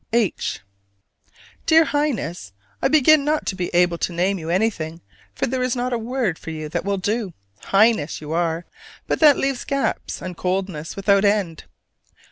H. Dear Highness: I begin not to be able to name you anything, for there is not a word for you that will do! "Highness" you are: but that leaves gaps and coldnesses without end.